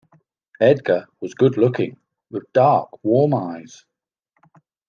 Edgar was good-looking, with dark, warm eyes.